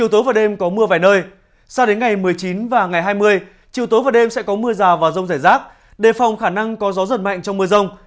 chiều tối và đêm có mưa vài nơi sao đến ngày một mươi chín và ngày hai mươi chiều tối và đêm sẽ có mưa rào và rông rải rác đề phòng khả năng có gió giật mạnh trong mưa rông